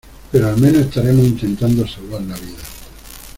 pero al menos estaremos intentando salvar la vida.